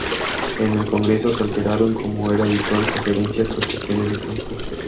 En el congreso se alternaron, como era habitual, conferencias con sesiones de campo.